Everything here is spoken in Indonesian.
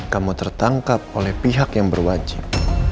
kamu tertangkap oleh pihak yang berwajib